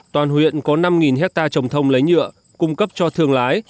toàn huyện có năm hectare trồng thông lấy nhựa cung cấp cho thương lái